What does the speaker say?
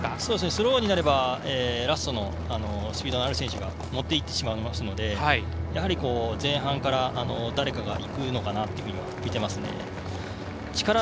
スローになればラストのスピードのある選手が持っていってしまうので、やはり前半から誰かがいくのかなと見ていますね。